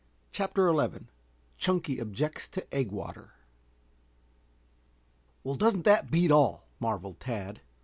CHAPTER XI CHUNKY OBJECTS TO EGG WATER "Well, doesn't that beat all!" marveled Tad.